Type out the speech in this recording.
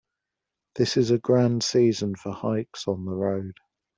This is a grand season for hikes on the road.